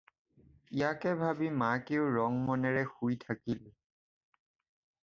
ইয়াকে ভাবি মাকেও ৰং মনেৰে শুই থাকিল।